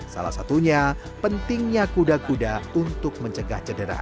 salah satunya pentingnya kuda kuda untuk mencegah cedera